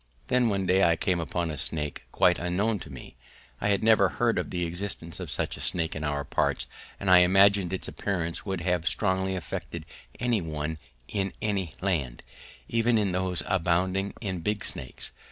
Then one day I came upon a snake quite unknown to me: I had never heard of the existence of such a snake in our parts, and I imagine its appearance would have strongly affected any one in any land, even in those abounding in big snakes.